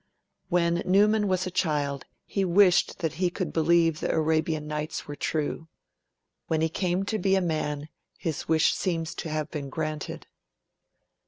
When Newman was a child he 'wished that he could believe the Arabian Nights were true'. When he came to be a man, his wish seems to have been granted.